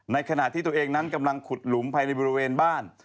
ขณะที่ตัวเองนั้นกำลังขุดหลุมภายในบริเวณบ้าน